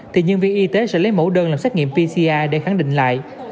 thì nhân viên y tế sẽ lấy mẫu đơn làm xét nghiệm pcr để khẳng định lại